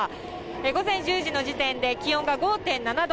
午前１０時の時点で気温が５．７度。